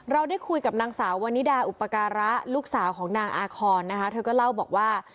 เราได้คุยกับนางสาววันนิดาอุปการะลูกสาวของนางอาคอนนะคะเธอก็เล่าบอกว่า